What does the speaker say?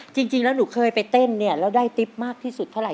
จริงแล้วหนูเคยไปเต้นเนี่ยแล้วได้ติ๊บมากที่สุดเท่าไห